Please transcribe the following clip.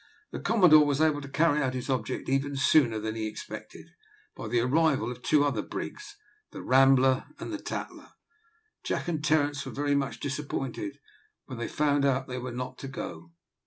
The Commodore was able to carry out his object even sooner than he expected, by the arrival of two other brigs, the Rambler and the Tattler. Jack and Terence were very much disappointed when they found that they were not to go.